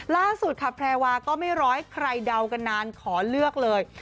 ล่าสุดค่ะแพรวาก็ไม่รอให้ใครเดากันนานขอเลือกเลย